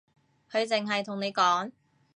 佢淨係同你講